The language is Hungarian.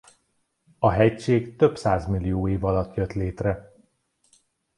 A hegység több százmillió év alatt jött létre.